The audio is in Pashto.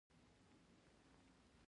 آیا بانکي کارتونه په هر ځای کې نه چلیږي؟